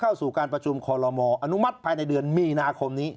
เข้าสู่การประชุมคอลโลมออนุมัติภายในเดือนมีนาคมนี้